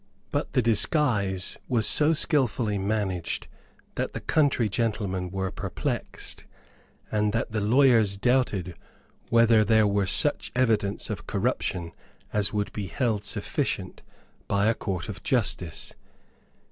But the disguise was so skilfully managed that the country gentlemen were perplexed, and that the lawyers doubted whether there were such evidence of corruption as would be held sufficient by a court of justice.